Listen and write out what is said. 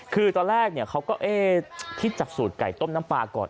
คือตอนแรกเขาก็คิดจากสูตรไก่ต้มน้ำปลาก่อน